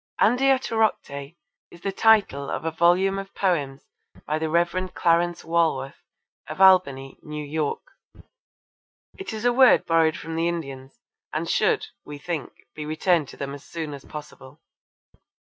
Andiatorocte is the title of a volume of poems by the Rev. Clarence Walworth, of Albany, N.Y. It is a word borrowed from the Indians, and should, we think, be returned to them as soon as possible.